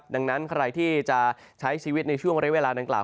ดังนั้นใครที่จะใช้ชีวิตในช่วงเรียกเวลาดังกล่า